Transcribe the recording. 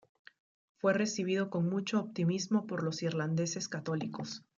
Fue recibido con mucho optimismo por los irlandeses católicos.